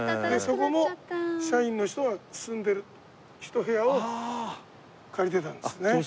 そこの社員の人が住んでるひと部屋を借りてたんですね。